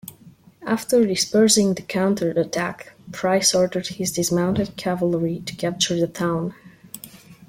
After dispersing the counterattack, Price ordered his dismounted cavalry to capture the town.